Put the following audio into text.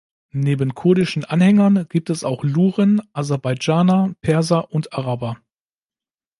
Neben kurdischen Anhängern gibt es auch Luren, Aserbaidschaner, Perser und Araber.